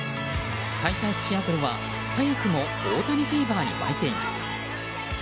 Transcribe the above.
開催地シアトルは早くも大谷フィーバーに沸いています。